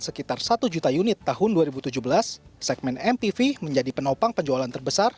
sekitar satu juta unit tahun dua ribu tujuh belas segmen mpv menjadi penopang penjualan terbesar